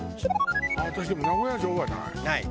私でも名古屋城はない。